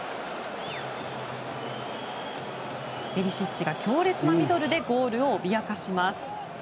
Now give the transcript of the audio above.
ペリシッチが強烈なミドルでゴールを脅かします。